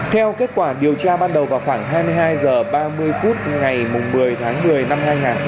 theo kết quả điều tra ban đầu vào khoảng hai mươi hai h ba mươi phút ngày một mươi tháng một mươi năm hai nghìn hai mươi ba